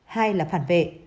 hai là phản vệ